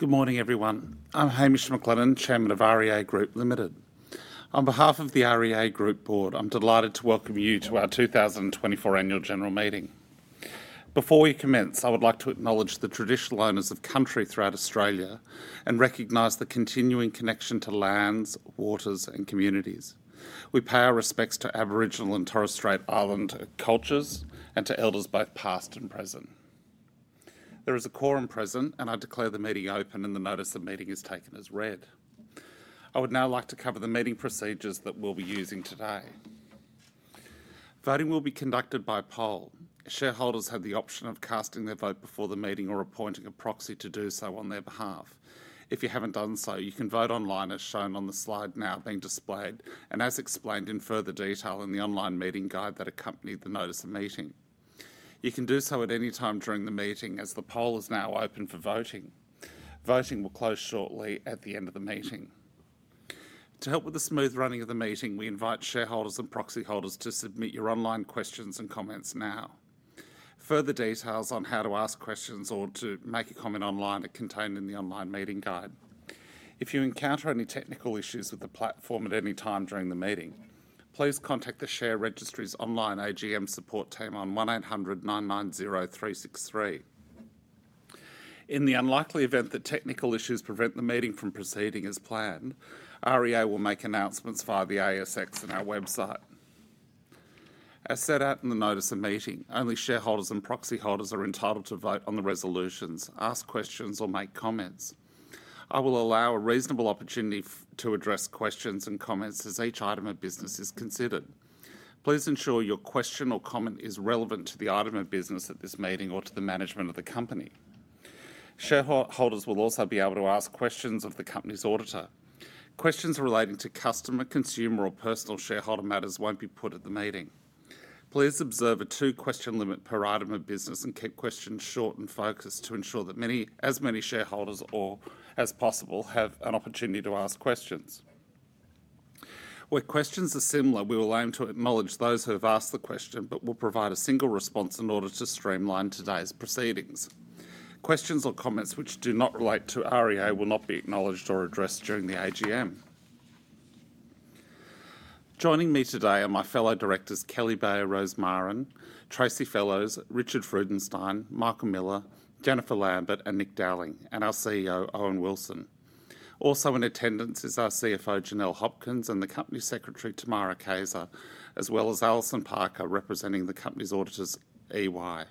Good morning, everyone. I'm Hamish McLennan, Chairman of REA Group Limited. On behalf of the REA Group Board, I'm delighted to welcome you to our 2024 Annual General Meeting. Before we commence, I would like to acknowledge the traditional owners of country throughout Australia and recognize the continuing connection to lands, waters, and communities. We pay our respects to Aboriginal and Torres Strait Islands cultures and to elders, both past and present. There is a quorum present, and I declare the meeting open, and the notice of meeting is taken as read. I would now like to cover the meeting procedures that we'll be using today. Voting will be conducted by poll. Shareholders have the option of casting their vote before the meeting or appointing a proxy to do so on their behalf. If you haven't done so, you can vote online, as shown on the slide now being displayed and as explained in further detail in the Online Meeting Guide that accompanied the notice of meeting. You can do so at any time during the meeting, as the poll is now open for voting. Voting will close shortly at the end of the meeting. To help with the smooth running of the meeting, we invite shareholders and proxy holders to submit your online questions and comments now. Further details on how to ask questions or to make a comment online are contained in the Online Meeting Guide. If you encounter any technical issues with the platform at any time during the meeting, please contact the Share Registry's online AGM support team on 1800 990 363. In the unlikely event that technical issues prevent the meeting from proceeding as planned, REA will make announcements via the ASX and our website. As set out in the notice of meeting, only shareholders and proxy holders are entitled to vote on the resolutions, ask questions, or make comments. I will allow a reasonable opportunity to address questions and comments as each item of business is considered. Please ensure your question or comment is relevant to the item of business at this meeting or to the management of the company. Shareholders will also be able to ask questions of the company's auditor. Questions relating to customer, consumer, or personal shareholder matters won't be put at the meeting. Please observe a two-question limit per item of business and keep questions short and focused to ensure that as many shareholders as possible have an opportunity to ask questions. Where questions are similar, we will aim to acknowledge those who have asked the question but will provide a single response in order to streamline today's proceedings. Questions or comments which do not relate to REA will not be acknowledged or addressed during the AGM. Joining me today are my fellow directors, Kelly Bayer Rosmarin, Tracy Fellows, Richard Freudenstein, Michael Miller, Jennifer Lambert, and Nick Dowling, and our CEO, Owen Wilson. Also in attendance is our CFO, Janelle Hopkins, and the Company Secretary, Tamara Kayser, as well as Alison Parker, representing the company's auditors, EY.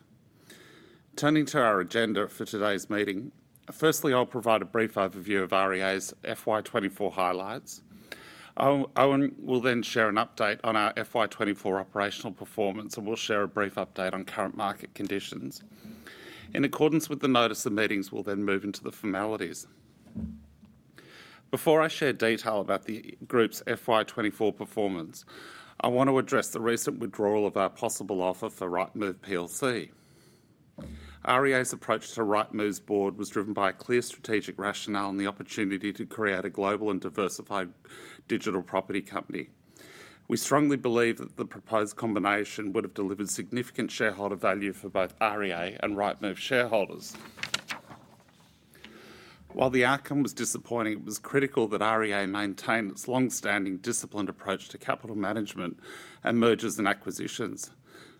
Turning to our agenda for today's meeting, firstly, I'll provide a brief overview of REA's FY 2024 highlights. Owen will then share an update on our FY 2024 operational performance, and we'll share a brief update on current market conditions. In accordance with the notice of meetings, we'll then move into the formalities. Before I share detail about the group's FY 2024 performance, I want to address the recent withdrawal of our possible offer for Rightmove plc. REA's approach to Rightmove's board was driven by a clear strategic rationale and the opportunity to create a global and diversified digital property company. We strongly believe that the proposed combination would have delivered significant shareholder value for both REA and Rightmove shareholders. While the outcome was disappointing, it was critical that REA maintain its long-standing disciplined approach to capital management and mergers and acquisitions.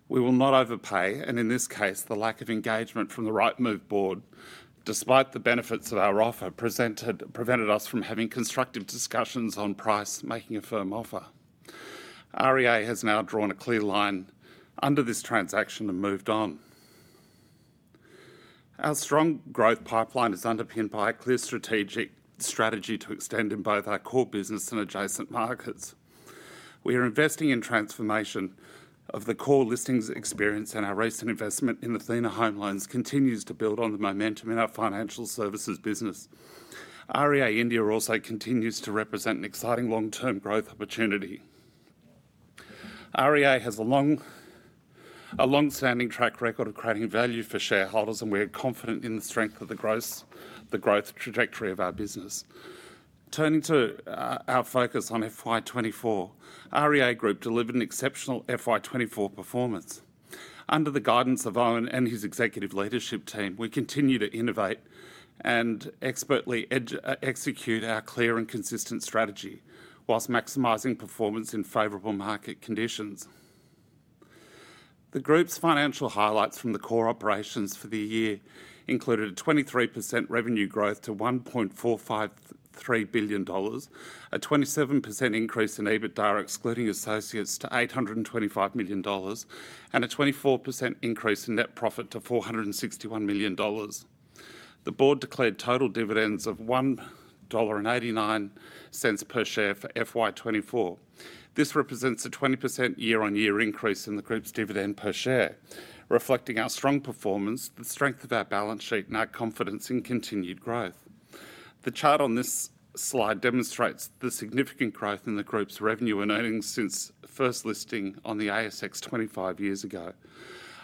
We will not overpay, and in this case, the lack of engagement from the Rightmove board, despite the benefits of our offer, prevented us from having constructive discussions on price, making a firm offer. REA has now drawn a clear line under this transaction and moved on. Our strong growth pipeline is underpinned by a clear strategic strategy to extend in both our core business and adjacent markets. We are investing in transformation of the core listings experience, and our recent investment in the Athena Home Loans continues to build on the momentum in our financial services business. REA India also continues to represent an exciting long-term growth opportunity. REA has a long-standing track record of creating value for shareholders, and we are confident in the strength of the growth trajectory of our business. Turning to our focus on FY 2024, REA Group delivered an exceptional FY 2024 performance. Under the guidance of Owen and his executive leadership team, we continue to innovate and expertly execute our clear and consistent strategy while maximizing performance in favorable market conditions. The group's financial highlights from the core operations for the year included a 23% revenue growth to 1.453 billion dollars, a 27% increase in EBITDA, excluding associates, to 825 million dollars and a 24% increase in net profit to 461 million dollars. The board declared total dividends of 1.89 dollar per share for FY 2024. This represents a 20% year-on-year increase in the group's dividend per share, reflecting our strong performance, the strength of our balance sheet, and our confidence in continued growth. The chart on this slide demonstrates the significant growth in the group's revenue and earnings since first listing on the ASX 25 years ago.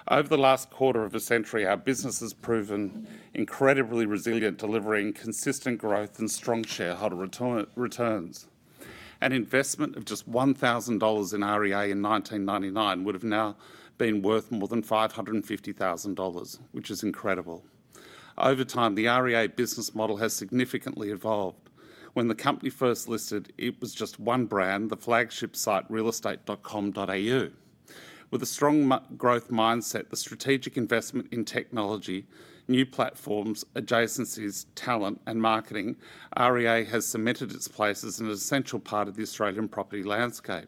Over the last quarter of a century, our business has proven incredibly resilient, delivering consistent growth and strong shareholder returns. An investment of just 1,000 dollars in REA in 1999 would have now been worth more than 550,000 dollars, which is incredible. Over time, the REA business model has significantly evolved. When the company first listed, it was just one brand, the flagship site, realestate.com.au. With a strong growth mindset, the strategic investment in technology, new platforms, adjacencies, talent, and marketing, REA has cemented its place as an essential part of the Australian property landscape.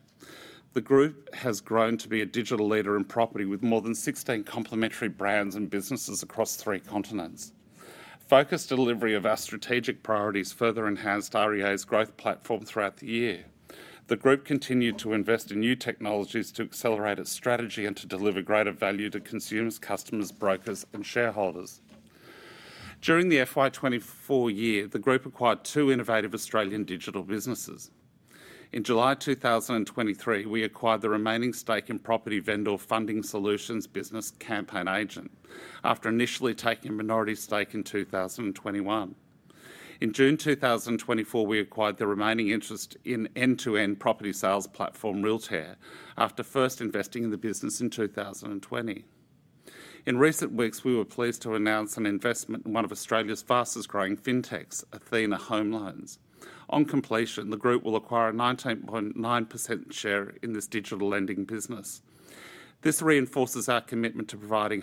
The group has grown to be a digital leader in property, with more than 16 complementary brands and businesses across three continents. Focused delivery of our strategic priorities further enhanced REA's growth platform throughout the year. The group continued to invest in new technologies to accelerate its strategy and to deliver greater value to consumers, customers, brokers, and shareholders. During the FY 2024 year, the group acquired two innovative Australian digital businesses. In July 2023, we acquired the remaining stake in property vendor funding solutions business, CampaignAgent, after initially taking a minority stake in 2021. In June 2024, we acquired the remaining interest in end-to-end property sales platform, Realtair, after first investing in the business in 2020. In recent weeks, we were pleased to announce an investment in one of Australia's fastest-growing fintechs, Athena Home Loans. On completion, the group will acquire a 19.9% share in this digital lending business. This reinforces our commitment to providing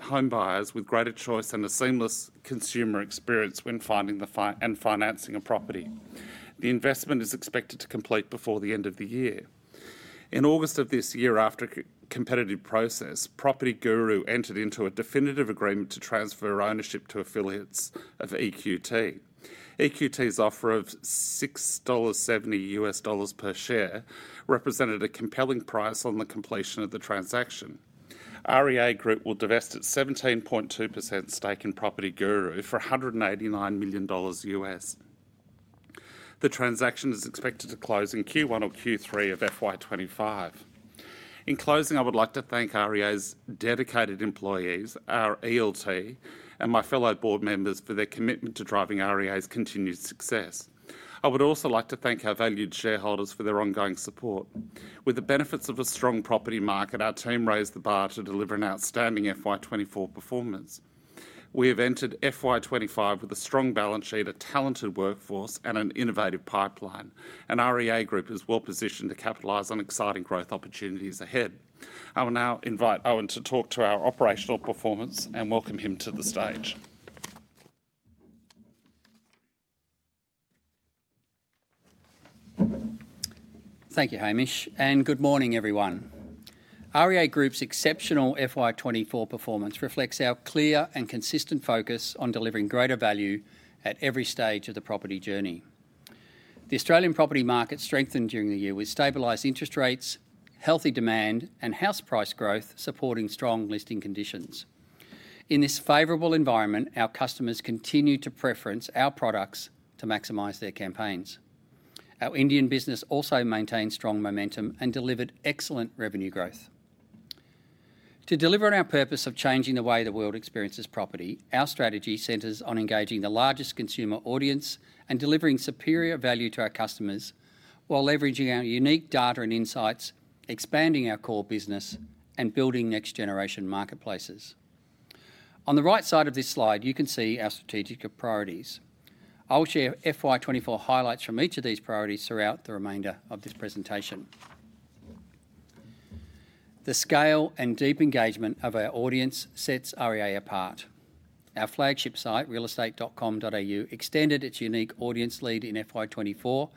home buyers with greater choice and a seamless consumer experience when finding and financing a property. The investment is expected to complete before the end of the year. In August of this year, after a competitive process, PropertyGuru entered into a definitive agreement to transfer ownership to affiliates of EQT. EQT's offer of $6.70 per share represented a compelling price on the completion of the transaction. REA Group will divest its 17.2% stake in PropertyGuru for $189 million. The transaction is expected to close in Q1 or Q3 of FY 2025. In closing, I would like to thank REA's dedicated employees, our ELT, and my fellow board members for their commitment to driving REA's continued success. I would also like to thank our valued shareholders for their ongoing support. With the benefits of a strong property market, our team raised the bar to deliver an outstanding FY 2024 performance. We have entered FY 2025 with a strong balance sheet, a talented workforce, and an innovative pipeline, and REA Group is well positioned to capitalize on exciting growth opportunities ahead. I will now invite Owen to talk to our operational performance and welcome him to the stage. Thank you, Hamish, and good morning, everyone. REA Group's exceptional FY24 performance reflects our clear and consistent focus on delivering greater value at every stage of the property journey. The Australian property market strengthened during the year, with stabilized interest rates, healthy demand, and house price growth supporting strong listing conditions. In this favorable environment, our customers continued to preference our products to maximize their campaigns. Our Indian business also maintained strong momentum and delivered excellent revenue growth. To deliver on our purpose of changing the way the world experiences property, our strategy centers on engaging the largest consumer audience and delivering superior value to our customers, while leveraging our unique data and insights, expanding our core business, and building next-generation marketplaces. On the right side of this slide, you can see our strategic priorities. I will share FY 2024 highlights from each of these priorities throughout the remainder of this presentation. The scale and deep engagement of our audience sets REA apart. Our flagship site, realestate.com.au, extended its unique audience lead in FY 2024,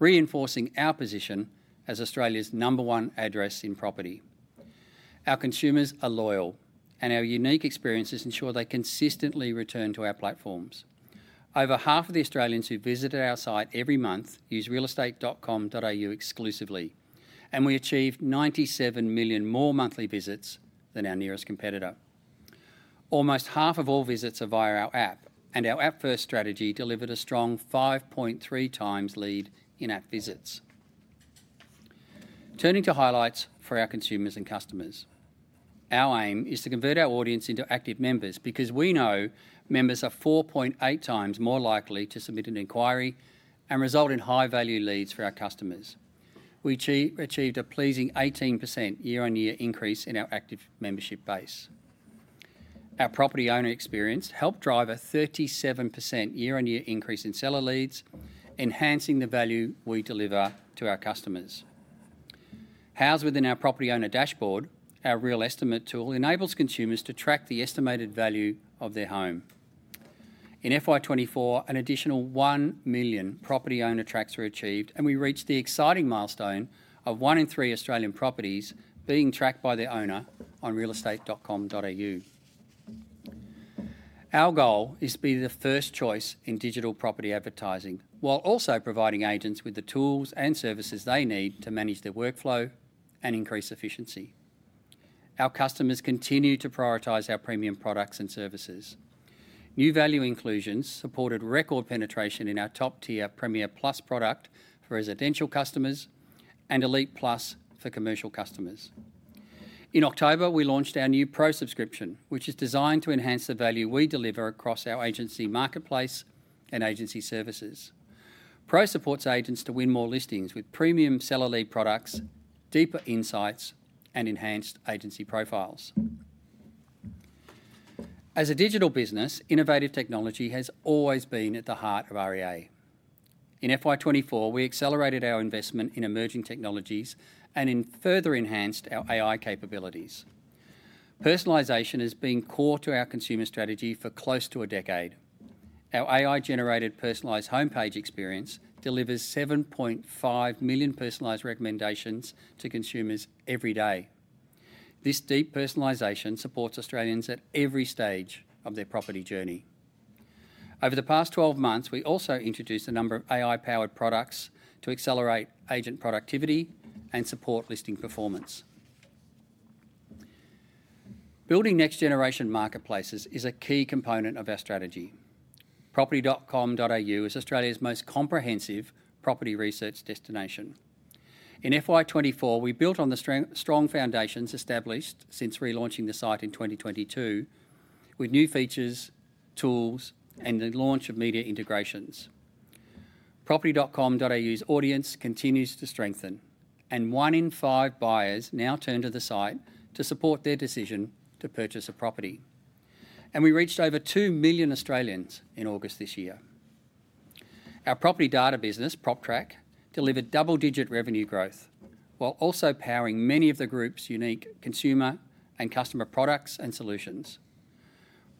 reinforcing our position as Australia's number one address in property. Our consumers are loyal, and our unique experiences ensure they consistently return to our platforms. Over half of the Australians who visited our site every month use realestate.com.au exclusively, and we achieved 97 million more monthly visits than our nearest competitor. Almost half of all visits are via our app, and our app-first strategy delivered a strong 5.3 times lead in app visits. Turning to highlights for our consumers and customers, our aim is to convert our audience into active members because we know members are four point eight times more likely to submit an inquiry and result in high-value leads for our customers. We achieved a pleasing 18% year-on-year increase in our active membership base. Our property owner experience helped drive a 37% year-on-year increase in seller leads, enhancing the value we deliver to our customers. Housed within our property owner dashboard, our RealEstimate tool enables consumers to track the estimated value of their home. In FY 2024, an additional one million property owner tracks were achieved, and we reached the exciting milestone of one in three Australian properties being tracked by their owner on realestate.com.au. Our goal is to be the first choice in digital property advertising, while also providing agents with the tools and services they need to manage their workflow and increase efficiency. Our customers continue to prioritize our premium products and services. New value inclusions supported record penetration in our top-tier Premier Plus product for residential customers and Elite Plus for commercial customers. In October, we launched our new Pro subscription, which is designed to enhance the value we deliver across our agency marketplace and agency services. Pro supports agents to win more listings with premium seller lead products and deeper insights and enhanced agency profiles. As a digital business, innovative technology has always been at the heart of REA. In FY 2024, we accelerated our investment in emerging technologies and further enhanced our AI capabilities. Personalization has been core to our consumer strategy for close to a decade. Our AI-generated personalized homepage experience delivers 7.5 million personalized recommendations to consumers every day. This deep personalization supports Australians at every stage of their property journey. Over the past 12 months, we also introduced a number of AI-powered products to accelerate agent productivity and support listing performance. Building next-generation marketplaces is a key component of our strategy. Property.com.au is Australia's most comprehensive property research destination. In FY 2024, we built on the strong foundations established since relaunching the site in 2022 with new features, tools, and the launch of media integrations. Property.com.au's audience continues to strengthen, and one in five buyers now turn to the site to support their decision to purchase a property, and we reached over 2 million Australians in August this year. Our property data business, PropTrack, delivered double-digit revenue growth while also powering many of the group's unique consumer and customer products and solutions.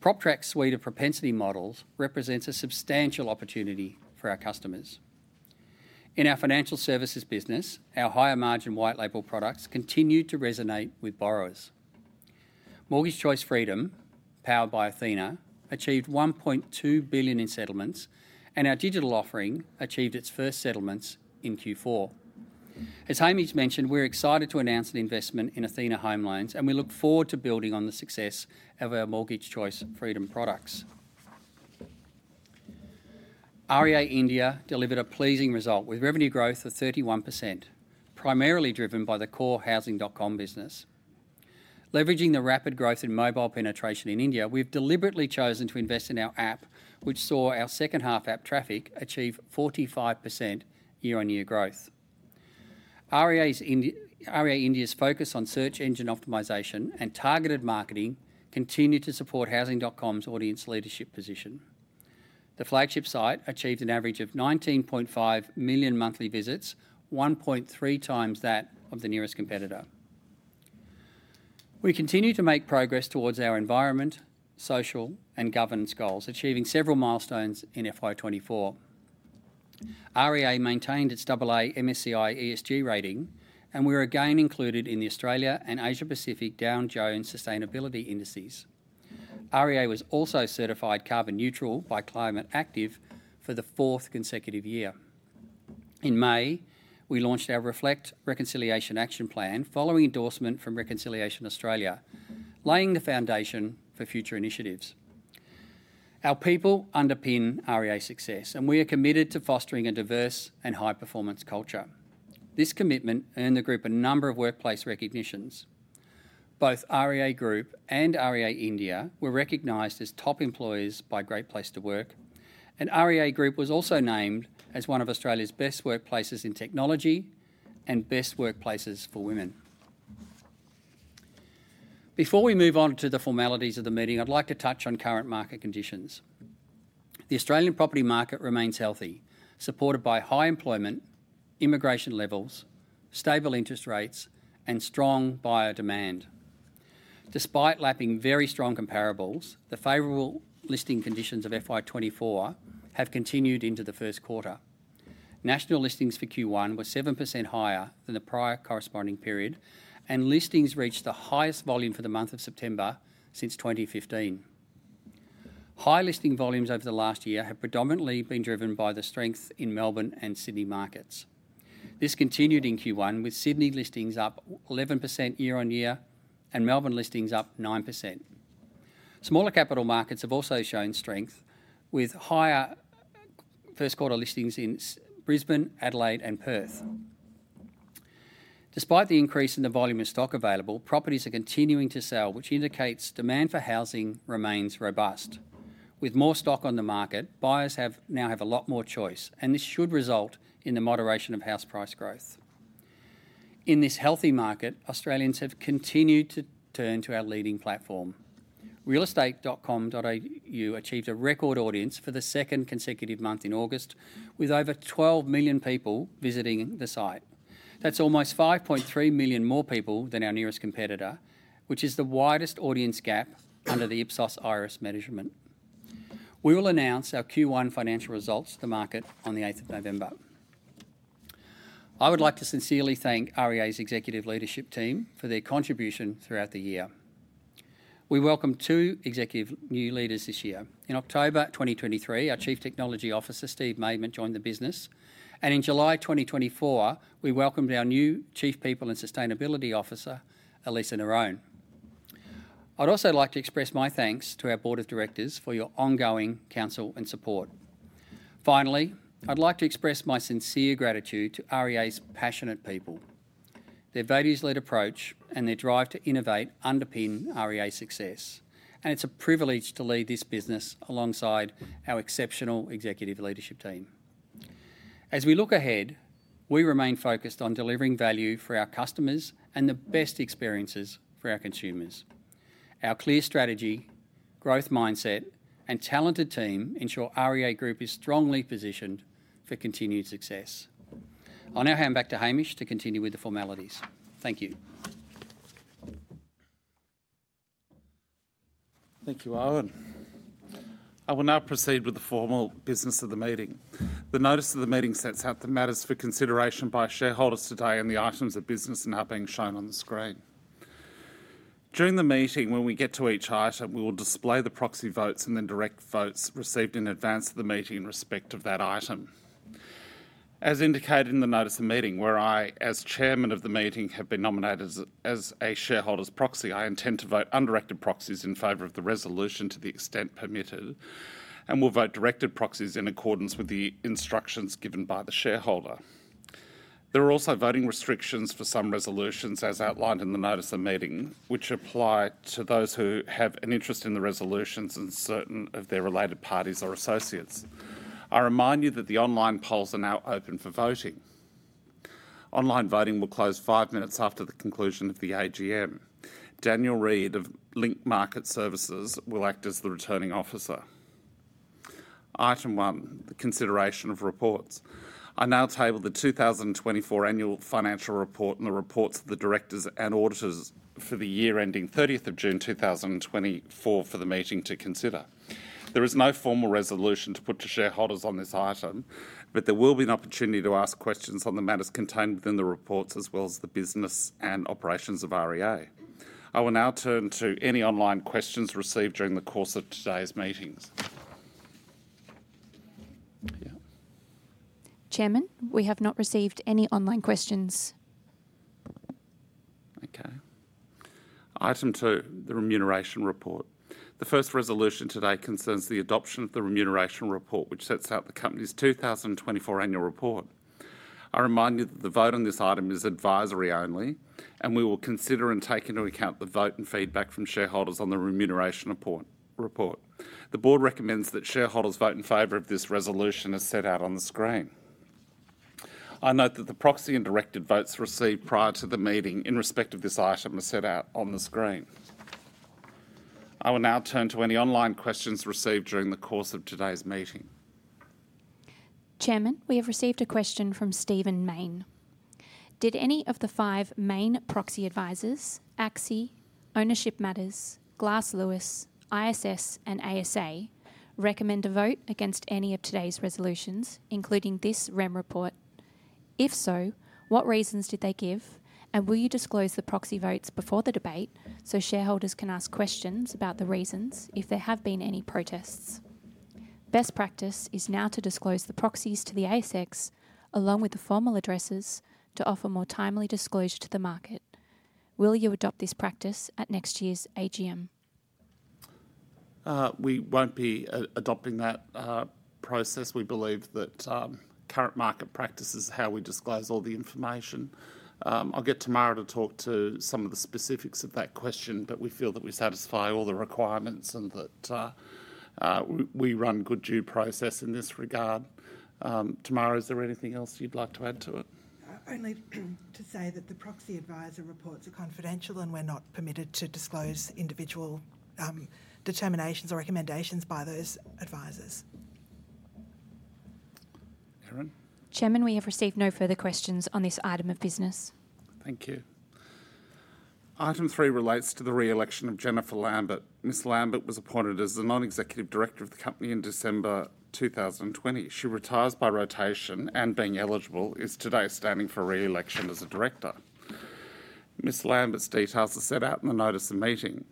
PropTrack's suite of propensity models represents a substantial opportunity for our customers. In our financial services business, our higher-margin white label products continued to resonate with borrowers. Mortgage Choice Freedom, powered by Athena, achieved 1.2 billion in settlements, and our digital offering achieved its first settlements in Q4. As Hamis mentioned, we're excited to announce an investment in Athena Home Loans, and we look forward to building on the success of our Mortgage Choice Freedom products. REA India delivered a pleasing result, with revenue growth of 31%, primarily driven by the core Housing.com business. Leveraging the rapid growth in mobile penetration in India, we've deliberately chosen to invest in our app, which saw our second-half app traffic achieve 45% year-on-year growth. REA India's focus on search engine optimization and targeted marketing continued to support Housing.com's audience leadership position. The flagship site achieved an average of 19.5 million monthly visits, 1.3 times that of the nearest competitor. We continue to make progress towards our environmental, social, and governance goals, achieving several milestones in FY24. REA maintained its AA MSCI ESG rating, and we were again included in the Australia and Asia Pacific Dow Jones Sustainability Indices. REA was also certified carbon neutral by Climate Active for the fourth consecutive year. In May, we launched our Reflect Reconciliation Action Plan, following endorsement from Reconciliation Australia, laying the foundation for future initiatives. Our people underpin REA's success, and we are committed to fostering a diverse and high-performance culture. This commitment earned the group a number of workplace recognitions. Both REA Group and REA India were recognized as top employers by Great Place to Work, and REA Group was also named as one of Australia's best workplaces in technology and best workplaces for women. Before we move on to the formalities of the meeting, I'd like to touch on current market conditions. The Australian property market remains healthy, supported by high employment, immigration levels, stable interest rates, and strong buyer demand. Despite lapping very strong comparables, the favorable listing conditions of FY 2024 have continued into the first quarter. National listings for Q1 were 7% higher than the prior corresponding period, and listings reached the highest volume for the month of September since 2015. High listing volumes over the last year have predominantly been driven by the strength in Melbourne and Sydney markets. This continued in Q1, with Sydney listings up 11% year on year and Melbourne listings up 9%. Smaller capital markets have also shown strength, with higher first-quarter listings in Brisbane, Adelaide, and Perth. Despite the increase in the volume of stock available, properties are continuing to sell, which indicates demand for housing remains robust. With more stock on the market, buyers now have a lot more choice, and this should result in the moderation of house price growth. In this healthy market, Australians have continued to turn to our leading platform. realestate.com.au achieved a record audience for the second consecutive month in August, with over 12 million people visiting the site. That's almost 5.3 million more people than our nearest competitor, which is the widest audience gap under the Ipsos Iris measurement. We will announce our Q1 financial results to the market on the eighth of November. I would like to sincerely thank REA's executive leadership team for their contribution throughout the year. We welcomed two executive new leaders this year. In October 2023, our Chief Technology Officer, Steve Maidment, joined the business, and in July 2024, we welcomed our new Chief People and Sustainability Officer, Elisa Nerone. I'd also like to express my thanks to our board of directors for your ongoing counsel and support. Finally, I'd like to express my sincere gratitude to REA's passionate people. Their values-led approach and their drive to innovate underpin REA's success, and it's a privilege to lead this business alongside our exceptional executive leadership team. ... As we look ahead, we remain focused on delivering value for our customers and the best experiences for our consumers. Our clear strategy, growth mindset, and talented team ensure REA Group is strongly positioned for continued success. I'll now hand back to Hamish to continue with the formalities. Thank you. Thank you, Owen. I will now proceed with the formal business of the meeting. The notice of the meeting sets out the matters for consideration by shareholders today, and the items of business are now being shown on the screen. During the meeting, when we get to each item, we will display the proxy votes and then direct votes received in advance of the meeting in respect of that item. As indicated in the notice of meeting, where I, as Chairman of the meeting, have been nominated as a shareholder's proxy, I intend to vote undirected proxies in favor of the resolution to the extent permitted, and will vote directed proxies in accordance with the instructions given by the shareholder. There are also voting restrictions for some resolutions, as outlined in the notice of meeting, which apply to those who have an interest in the resolutions and certain of their related parties or associates. I remind you that the online polls are now open for voting. Online voting will close five minutes after the conclusion of the AGM. Daniel Reed of Link Market Services will act as the Returning Officer. Item one, the consideration of reports. I now table the two thousand and twenty-four annual financial report and the reports of the directors and auditors for the year ending thirtieth of June, two thousand and twenty-four, for the meeting to consider. There is no formal resolution to put to shareholders on this item, but there will be an opportunity to ask questions on the matters contained within the reports as well as the business and operations of REA. I will now turn to any online questions received during the course of today's meetings. Yeah. Chairman, we have not received any online questions. Okay. Item two, the Remuneration Report. The first resolution today concerns the adoption of the Remuneration Report, which sets out the company's two thousand and twenty-four annual report. I remind you that the vote on this item is advisory only, and we will consider and take into account the vote and feedback from shareholders on the Remuneration Report. The Board recommends that shareholders vote in favor of this resolution as set out on the screen. I note that the proxy and directed votes received prior to the meeting in respect of this item are set out on the screen. I will now turn to any online questions received during the course of today's meeting. Chairman, we have received a question from Stephen Mayne. "Did any of the five main proxy advisors, ASX, Ownership Matters, Glass Lewis, ISS, and ASA, recommend a vote against any of today's resolutions, including this REM report? If so, what reasons did they give, and will you disclose the proxy votes before the debate so shareholders can ask questions about the reasons if there have been any protests? Best practice is now to disclose the proxies to the ASX, along with the formal addresses, to offer more timely disclosure to the market. Will you adopt this practice at next year's AGM? We won't be adopting that process. We believe that current market practice is how we disclose all the information. I'll get Tamara to talk to some of the specifics of that question, but we feel that we satisfy all the requirements and that we run good due process in this regard. Tamara, is there anything else you'd like to add to it? Only to say that the proxy advisor reports are confidential, and we're not permitted to disclose individual, determinations or recommendations by those advisors. Erin? Chairman, we have received no further questions on this item of business. Thank you. Item three relates to the re-election of Jennifer Lambert. Ms. Lambert was appointed as the Non-Executive Director of the company in December 2020. She retires by rotation, and being eligible, is today standing for re-election as a director. Ms. Lambert's details are set out in the notice of the meeting.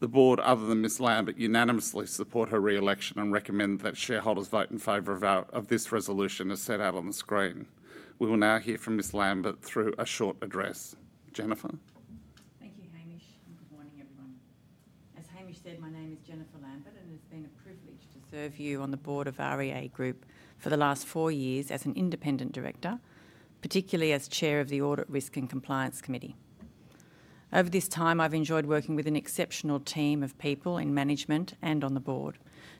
The Board, other than Ms. Lambert, unanimously support her re-election and recommend that shareholders vote in favor of this resolution, as set out on the screen. We will now hear from Ms. Lambert through a short address. Jennifer? Thank you, Hamish, and good morning, everyone. As Hamish said, my name is Jennifer Lambert, and it's been a privilege to serve you on the board of REA Group for the last four years as an independent director, particularly as Chair of the Audit, Risk, and Compliance Committee. Over this time, I've enjoyed working with an exceptional team of people in management and on the board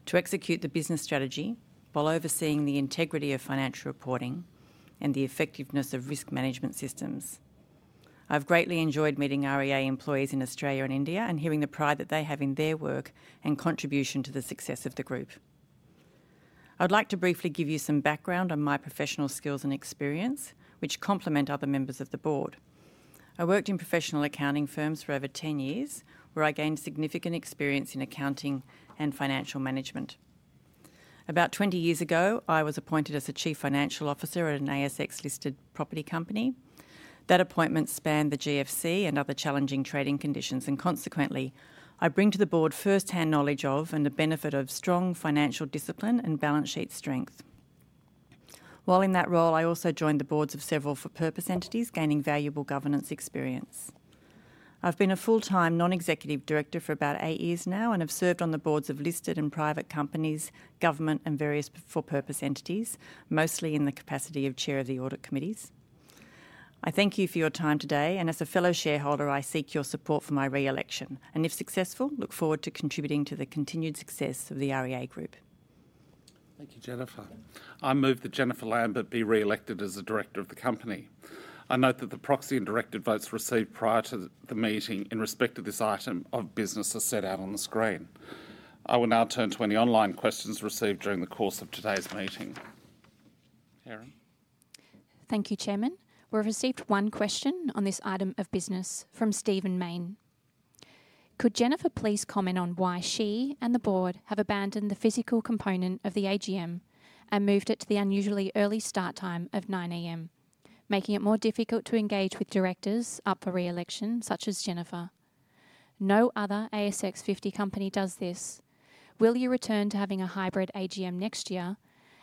to execute the business strategy while overseeing the integrity of financial reporting and the effectiveness of risk management systems. I've greatly enjoyed meeting REA employees in Australia and India and hearing the pride that they have in their work and contribution to the success of the group. I'd like to briefly give you some background on my professional skills and experience, which complement other members of the board. I worked in professional accounting firms for over ten years, where I gained significant experience in accounting and financial management. About twenty years ago, I was appointed as the Chief Financial Officer at an ASX-listed property company. That appointment spanned the GFC and other challenging trading conditions, and consequently, I bring to the board firsthand knowledge of, and the benefit of strong financial discipline and balance sheet strength. While in that role, I also joined the boards of several for-purpose entities, gaining valuable governance experience. I've been a full-time non-executive director for about eight years now and have served on the boards of listed and private companies, government, and various for-purpose entities, mostly in the capacity of Chair of the audit committees. I thank you for your time today, and as a fellow shareholder, I seek your support for my re-election, and if successful, look forward to contributing to the continued success of the REA Group. Thank you, Jennifer. I move that Jennifer Lambert be re-elected as a director of the company. I note that the proxy and directed votes received prior to the meeting in respect to this item of business are set out on the screen. I will now turn to any online questions received during the course of today's meeting. Erin? Thank you, Chairman. We've received one question on this item of business from Stephen Mayne: Could Jennifer please comment on why she and the board have abandoned the physical component of the AGM and moved it to the unusually early start time of 9:00 A.M., making it more difficult to engage with directors up for re-election, such as Jennifer? No other ASX fifty company does this. Will you return to having a hybrid AGM next year?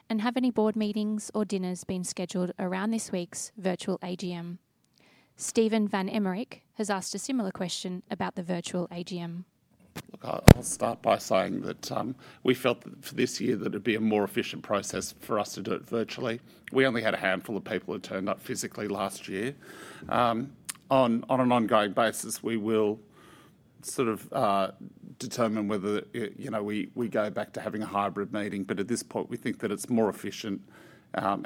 And have any board meetings or dinners been scheduled around this week's virtual AGM? Steve van Emmerik has asked a similar question about the virtual AGM. Look, I'll start by saying that we felt that for this year that it'd be a more efficient process for us to do it virtually. We only had a handful of people who turned up physically last year. On an ongoing basis, we will sort of determine whether you know we go back to having a hybrid meeting. But at this point, we think that it's more efficient and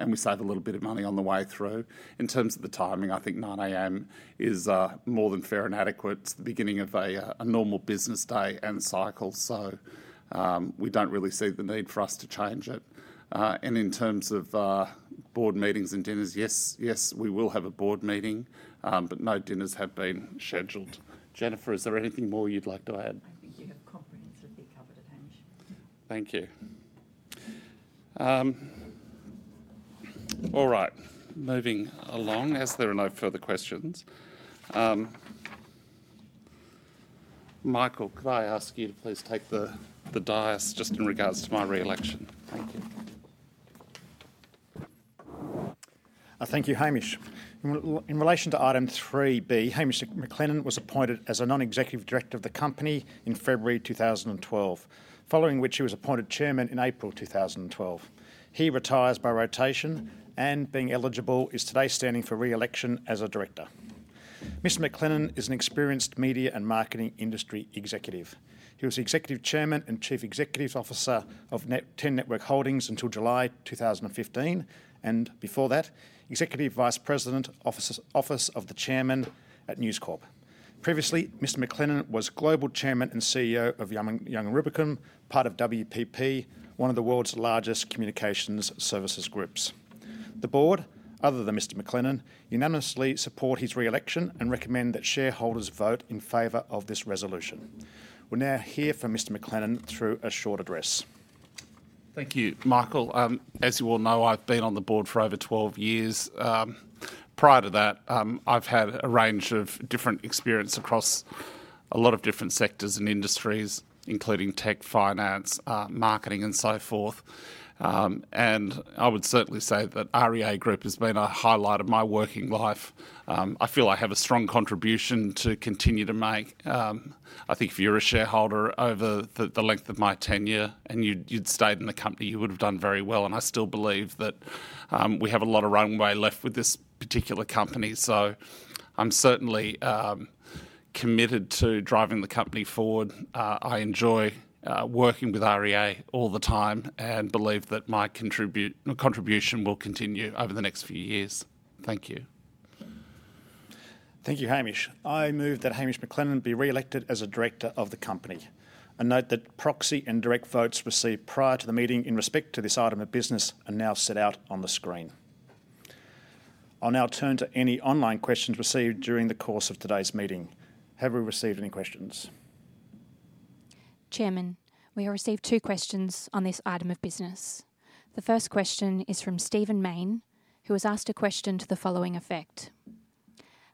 we save a little bit of money on the way through. In terms of the timing, I think 9:00 A.M. is more than fair and adequate. It's the beginning of a normal business day and cycle, so we don't really see the need for us to change it. And in terms of board meetings and dinners, yes, yes, we will have a board meeting, but no dinners have been scheduled. Jennifer, is there anything more you'd like to add? I think you have comprehensively covered it, Hamish. Thank you. All right, moving along, as there are no further questions. Michael, could I ask you to please take the dais just in regards to my re-election? Thank you. Thank you, Hamish. In relation to item three B, Hamish McLennan was appointed as a non-executive director of the company in February 2012, following which he was appointed chairman in April 2012. He retires by rotation, and being eligible, is today standing for re-election as a director. Mr. McLennan is an experienced media and marketing industry executive. He was executive chairman and chief executive officer of Ten Network Holdings until July 2015, and before that, executive vice president, Office of the Chairman at News Corp. Previously, Mr. McLennan was global chairman and CEO of Young & Rubicam, part of WPP, one of the world's largest communications services groups. The board, other than Mr. McLennan, unanimously support his re-election and recommend that shareholders vote in favor of this resolution. We'll now hear from Mr. McLennan through a short address. Thank you, Michael. As you all know, I've been on the board for over twelve years. Prior to that, I've had a range of different experience across a lot of different sectors and industries, including tech, finance, marketing, and so forth. And I would certainly say that REA Group has been a highlight of my working life. I feel I have a strong contribution to continue to make. I think if you're a shareholder over the length of my tenure, and you'd stayed in the company, you would have done very well, and I still believe that we have a lot of runway left with this particular company. So I'm certainly committed to driving the company forward. I enjoy working with REA all the time and believe that my contribution will continue over the next few years. Thank you. Thank you, Hamish. I move that Hamish McLennan be re-elected as a director of the company. I note that proxy and direct votes received prior to the meeting in respect to this item of business are now set out on the screen. I'll now turn to any online questions received during the course of today's meeting. Have we received any questions? Chairman, we have received two questions on this item of business. The first question is from Stephen Mayne, who has asked a question to the following effect: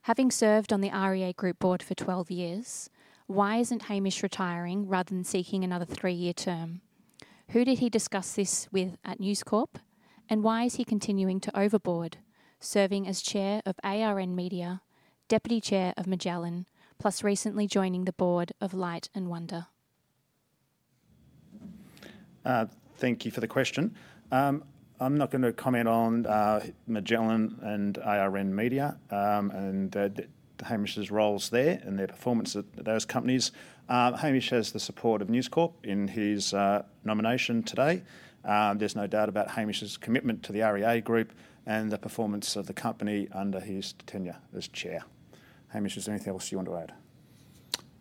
Having served on the REA Group board for 12 years, why isn't Hamish retiring rather than seeking another 3-year term? Who did he discuss this with at News Corp, and why is he continuing to overboard, serving as chair of ARN Media, deputy chair of Magellan, plus recently joining the board of Light & Wonder? Thank you for the question. I'm not going to comment on Magellan and ARN Media, and Hamish's roles there and the performance at those companies. Hamish has the support of News Corp in his nomination today. There's no doubt about Hamish's commitment to the REA Group and the performance of the company under his tenure as chair. Hamish, is there anything else you want to add?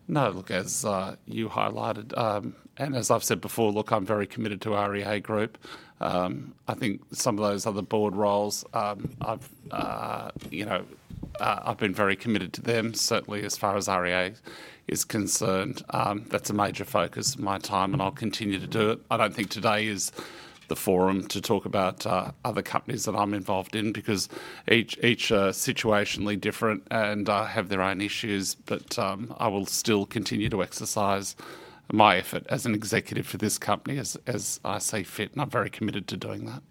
No, look, as you highlighted, and as I've said before, look, I'm very committed to REA Group. I think some of those other board roles, you know, I've been very committed to them. Certainly, as far as REA is concerned, that's a major focus of my time, and I'll continue to do it. I don't think today is the forum to talk about other companies that I'm involved in because each are situationally different and have their own issues. But I will still continue to exercise my effort as an executive for this company as I see fit, and I'm very committed to doing that.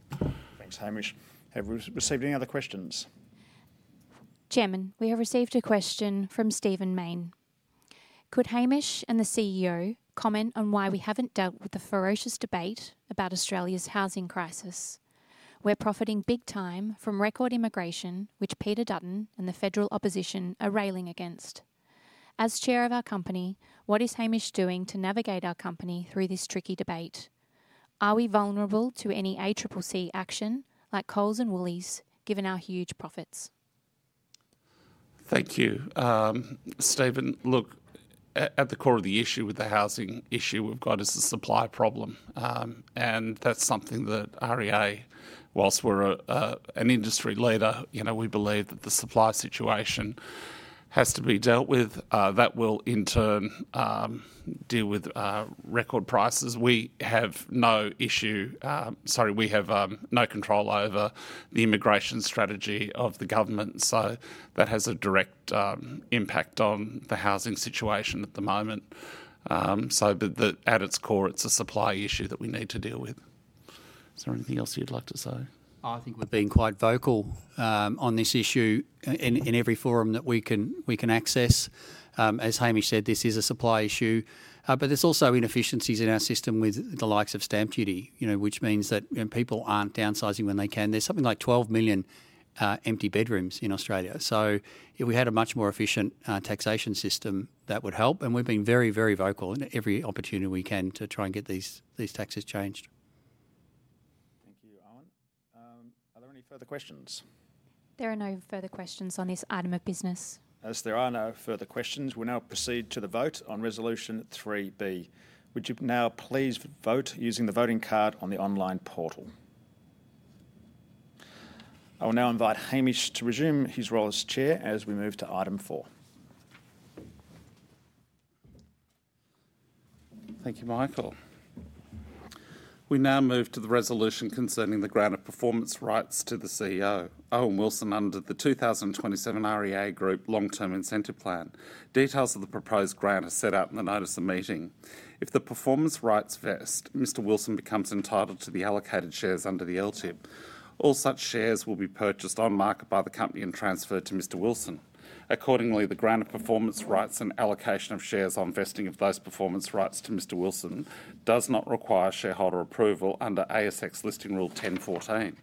Thanks, Hamish. Have we received any other questions? Chairman, we have received a question from Stephen Mayne. Could Hamish and the CEO comment on why we haven't dealt with the ferocious debate about Australia's housing crisis? We're profiting big time from record immigration, which Peter Dutton and the federal opposition are railing against. As chair of our company, what is Hamish doing to navigate our company through this tricky debate? Are we vulnerable to any ACCC action, like Coles and Woolies, given our huge profits? Thank you. Stephen, look, at the core of the issue with the housing issue we've got is a supply problem. And that's something that REA, whilst we're an industry leader, you know, we believe that the supply situation has to be dealt with. That will in turn deal with record prices. We have no issue. Sorry, we have no control over the immigration strategy of the government, so that has a direct impact on the housing situation at the moment. So but at its core, it's a supply issue that we need to deal with. Is there anything else you'd like to say? I think we've been quite vocal on this issue in every forum that we can access. As Hamish said, this is a supply issue, but there's also inefficiencies in our system with the likes of stamp duty, you know, which means that, you know, people aren't downsizing when they can. There's something like twelve million empty bedrooms in Australia. So if we had a much more efficient taxation system, that would help, and we've been very, very vocal in every opportunity we can to try and get these taxes changed. Thank you, Owen. Are there any further questions? There are no further questions on this item of business. As there are no further questions, we'll now proceed to the vote on Resolution 3B. Would you now please vote using the voting card on the online portal? I will now invite Hamish to resume his role as chair as we move to item four. Thank you, Michael. We now move to the resolution concerning the grant of performance rights to the CEO, Owen Wilson, under the 2027 REA Group Long Term Incentive Plan. Details of the proposed grant are set out in the notice of meeting. If the performance rights vest, Mr. Wilson becomes entitled to the allocated shares under the LTIP. All such shares will be purchased on market by the company and transferred to Mr. Wilson. Accordingly, the grant of performance rights and allocation of shares on vesting of those performance rights to Mr. Wilson does not require shareholder approval under ASX Listing Rule 1014.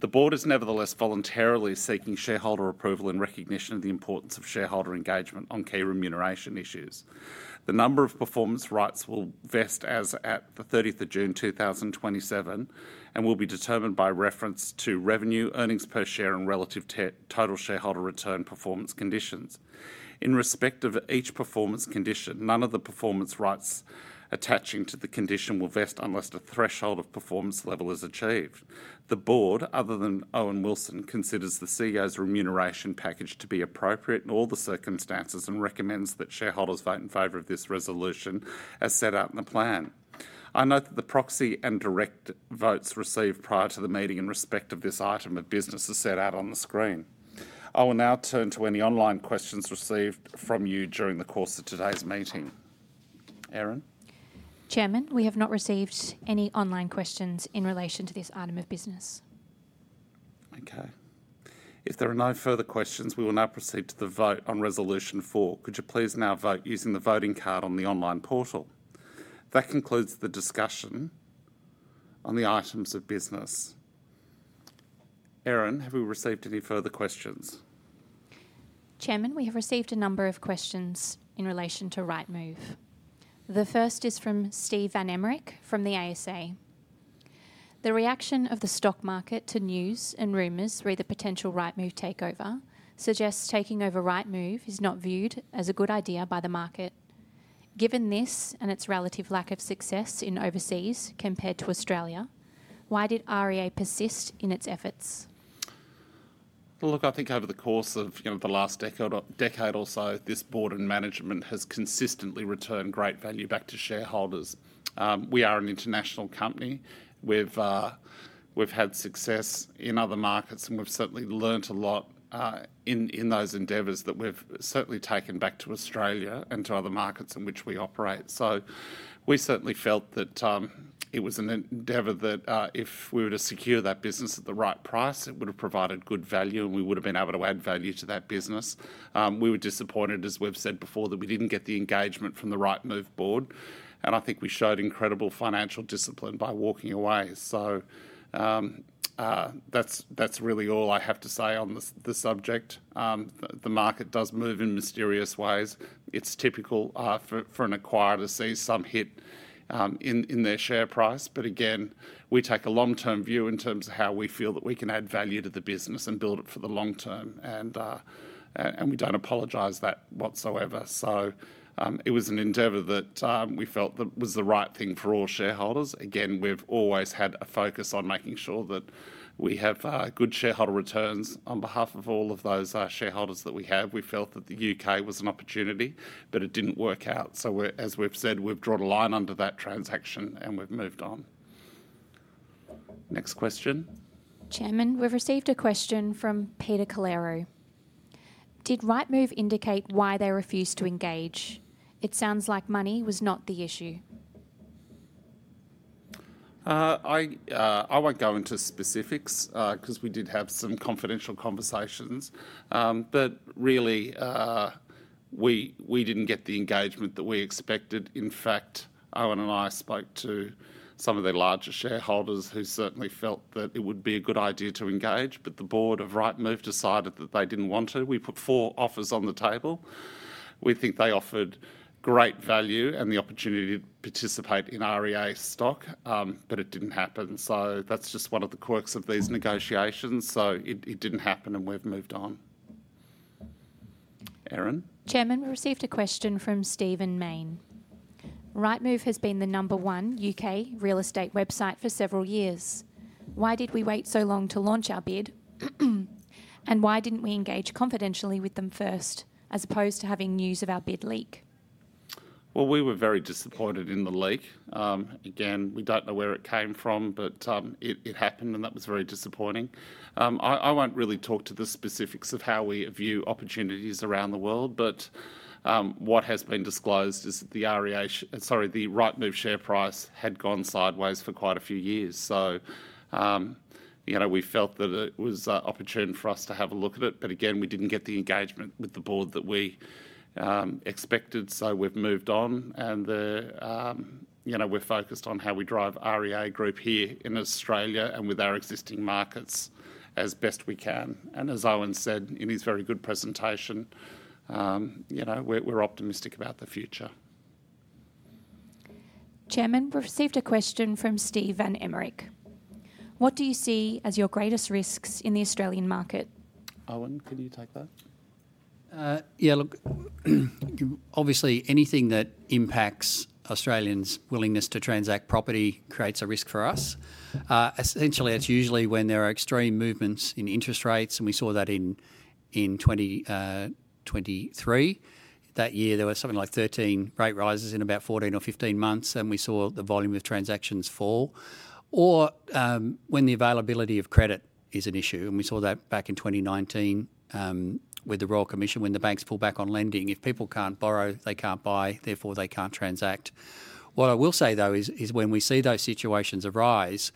The board is nevertheless voluntarily seeking shareholder approval in recognition of the importance of shareholder engagement on key remuneration issues. The number of performance rights will vest as at the 30th of June 2027 and will be determined by reference to revenue, earnings per share, and relative total shareholder return performance conditions. In respect of each performance condition, none of the performance rights attaching to the condition will vest unless a threshold of performance level is achieved. The board, other than Owen Wilson, considers the CEO's remuneration package to be appropriate in all the circumstances and recommends that shareholders vote in favor of this resolution as set out in the plan. I note that the proxy and direct votes received prior to the meeting in respect of this item of business is set out on the screen. I will now turn to any online questions received from you during the course of today's meeting. Erin? Chairman, we have not received any online questions in relation to this item of business. Okay. If there are no further questions, we will now proceed to the vote on Resolution Four. Could you please now vote using the voting card on the online portal? That concludes the discussion on the items of business. Erin, have we received any further questions? Chairman, we have received a number of questions in relation to Rightmove. The first is from Steve van Emmerik from the ASA: The reaction of the stock market to news and rumors re the potential Rightmove takeover suggests taking over Rightmove is not viewed as a good idea by the market. Given this and its relative lack of success in overseas compared to Australia, why did REA persist in its efforts? Look, I think over the course of, you know, the last decade or so, this board and management has consistently returned great value back to shareholders. We are an international company. We've had success in other markets, and we've certainly learned a lot in those endeavors that we've certainly taken back to Australia and to other markets in which we operate. We certainly felt that it was an endeavor that if we were to secure that business at the right price, it would have provided good value, and we would have been able to add value to that business. We were disappointed, as we've said before, that we didn't get the engagement from the Rightmove board, and I think we showed incredible financial discipline by walking away. So, that's really all I have to say on this, the subject. The market does move in mysterious ways. It's typical for an acquirer to see some hit in their share price. But again, we take a long-term view in terms of how we feel that we can add value to the business and build it for the long term, and we don't apologize that whatsoever. So, it was an endeavor that we felt that was the right thing for all shareholders. Again, we've always had a focus on making sure that we have good shareholder returns on behalf of all of those shareholders that we have. We felt that the UK was an opportunity, but it didn't work out. So we're, as we've said, we've drawn a line under that transaction, and we've moved on. Next question. Chairman, we've received a question from Peter Calero: Did Rightmove indicate why they refused to engage? It sounds like money was not the issue.... I won't go into specifics, 'cause we did have some confidential conversations. But really, we didn't get the engagement that we expected. In fact, Owen and I spoke to some of their larger shareholders, who certainly felt that it would be a good idea to engage, but the board of Rightmove decided that they didn't want to. We put four offers on the table. We think they offered great value and the opportunity to participate in REA stock, but it didn't happen. So that's just one of the quirks of these negotiations, so it didn't happen, and we've moved on. Erin? Chairman, we received a question from Stephen Mayne: Rightmove has been the number one U.K. real estate website for several years. Why did we wait so long to launch our bid, and why didn't we engage confidentially with them first, as opposed to having news of our bid leak? We were very disappointed in the leak. Again, we don't know where it came from, but it happened, and that was very disappointing. I won't really talk to the specifics of how we view opportunities around the world, but what has been disclosed is that the Rightmove share price had gone sideways for quite a few years. You know, we felt that it was an opportunity for us to have a look at it, but again, we didn't get the engagement with the board that we expected, so we've moved on. You know, we're focused on how we drive REA Group here in Australia and with our existing markets as best we can. As Owen said in his very good presentation, you know, we're optimistic about the future. Chairman, we've received a question from Steve van Emmerik: What do you see as your greatest risks in the Australian market? Owen, can you take that? Yeah, look, obviously, anything that impacts Australians' willingness to transact property creates a risk for us. Essentially, it's usually when there are extreme movements in interest rates, and we saw that in 2023. That year, there were something like 13 rate rises in about 14 or 15 months, and we saw the volume of transactions fall. Or, when the availability of credit is an issue, and we saw that back in 2019, with the Royal Commission, when the banks pulled back on lending. If people can't borrow, they can't buy, therefore, they can't transact. What I will say, though, is when we see those situations arise,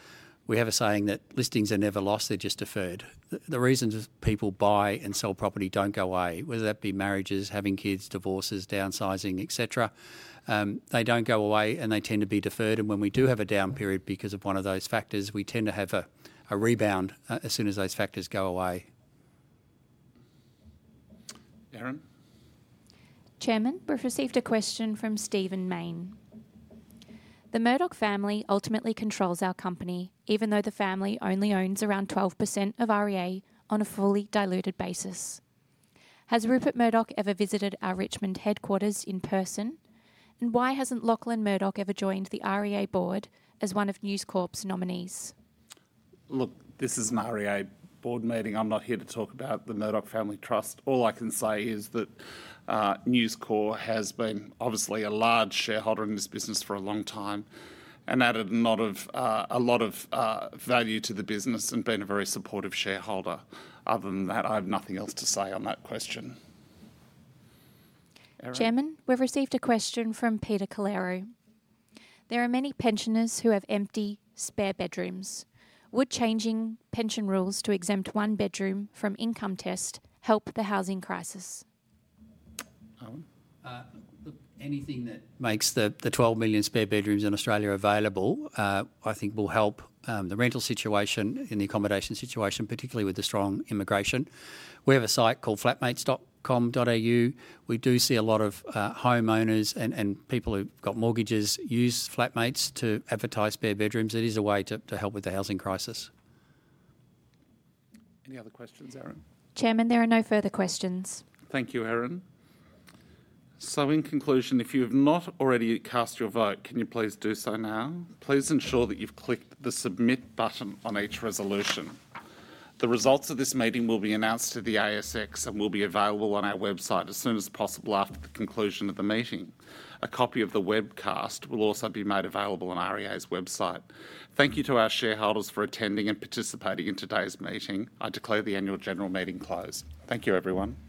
we have a saying that listings are never lost, they're just deferred. The reasons people buy and sell property don't go away, whether that be marriages, having kids, divorces, downsizing, et cetera. They don't go away, and they tend to be deferred, and when we do have a down period because of one of those factors, we tend to have a rebound as soon as those factors go away. Erin? Chairman, we've received a question from Stephen Mayne: The Murdoch family ultimately controls our company, even though the family only owns around 12% of REA on a fully diluted basis. Has Rupert Murdoch ever visited our Richmond headquarters in person? And why hasn't Lachlan Murdoch ever joined the REA board as one of News Corp's nominees? Look, this is an REA board meeting. I'm not here to talk about the Murdoch Family Trust. All I can say is that News Corp has been obviously a large shareholder in this business for a long time and added a lot of value to the business and been a very supportive shareholder. Other than that, I have nothing else to say on that question. Erin? Chairman, we've received a question from Peter Calero: There are many pensioners who have empty spare bedrooms. Would changing pension rules to exempt one bedroom from income test help the housing crisis? Owen? Look, anything that makes the 12 million spare bedrooms in Australia available, I think will help the rental situation and the accommodation situation, particularly with the strong immigration. We have a site called flatmates.com.au. We do see a lot of homeowners and people who've got mortgages use Flatmates to advertise spare bedrooms. It is a way to help with the housing crisis. Any other questions, Erin? Chairman, there are no further questions. Thank you, Erin. So in conclusion, if you have not already cast your vote, can you please do so now? Please ensure that you've clicked the Submit button on each resolution. The results of this meeting will be announced to the ASX and will be available on our website as soon as possible after the conclusion of the meeting. A copy of the webcast will also be made available on REA's website. Thank you to our shareholders for attending and participating in today's meeting. I declare the annual general meeting closed. Thank you, everyone.